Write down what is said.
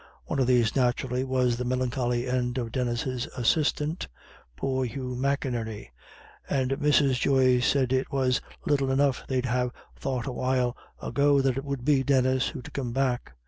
One of these, naturally, was the melancholy end of Denis's assailant poor Hugh McInerney and Mrs. Joyce said it was little enough they'd have thought a while ago that it would be Denis who'd come back.